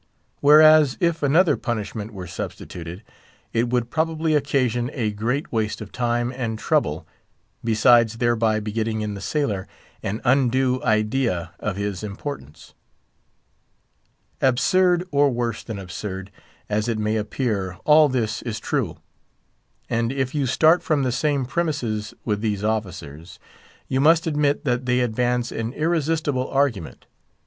Whereas, if another punishment were substituted, it would probably occasion a great waste of time and trouble, besides thereby begetting in the sailor an undue idea of his importance. Absurd, or worse than absurd, as it may appear, all this is true; and if you start from the same premises with these officers, you, must admit that they advance an irresistible argument.